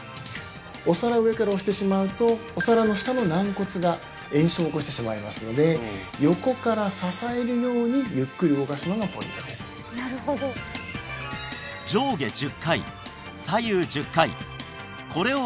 お皿を上から押してしまうとお皿の下の軟骨が炎症を起こしてしまいますので横から支えるようにゆっくり動かすのがポイントです行うと効果的です